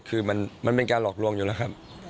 คือมันเป็นการหลอกลวงอยู่แล้วครับ